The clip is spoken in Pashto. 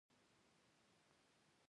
هغې وویل محبت یې د محبت په څېر ژور دی.